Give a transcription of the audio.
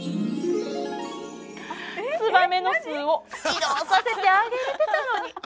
ツバメの巣を移動させてあげれてたのに。